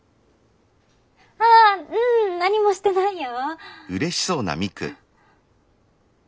あぁううん何もしてないよ。